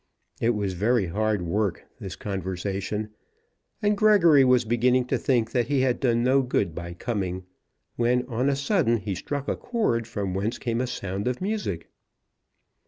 It was very hard work, this conversation, and Gregory was beginning to think that he had done no good by coming, when on a sudden he struck a chord from whence came a sound of music.